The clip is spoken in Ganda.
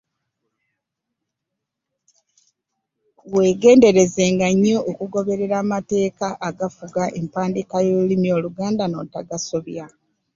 Weegenderezanga nnyo okugoberera amateeka agafuga empandiika y'olulimi Oluganda n'otagasobya.